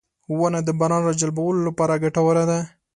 • ونه د باران راجلبولو لپاره ګټوره ده.